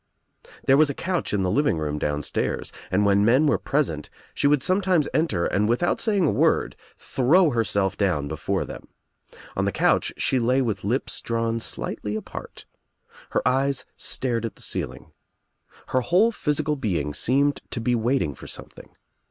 There was a couch in the living room down stairs, and when men were present she would sometimes enter and without saying a word throw her self down before them. On the couch she lay with lips drawn slightly apart. Her eyes stared at the ceiling. Her whole physical being seemed to be waiting for something.